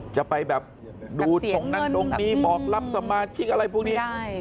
จะไปแบบดูตรงนั้นตรงนี้บอกรับสมาชิกอะไรพวกนี้